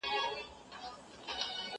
تا چي ول احمد په کابل کي دی